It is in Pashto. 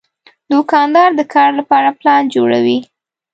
دوکاندار د کار لپاره پلان جوړوي.